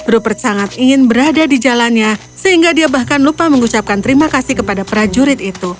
rupert sangat ingin berada di jalannya sehingga dia bahkan lupa mengucapkan terima kasih kepada prajurit itu